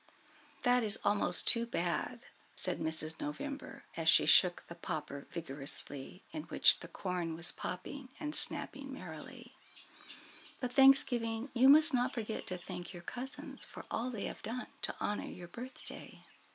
"That is almost too bad," said Mrs. November, as she shook the popper vigorously in which the corn was popping and snapping merrily; "but, Thanksgiving, you must not forget to thank your cousins for all they have done to honour your birthday."